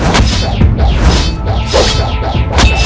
mereka semua berpikir seperti itu